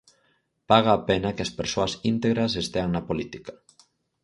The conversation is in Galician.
Paga a pena que as persoas íntegras estean na política.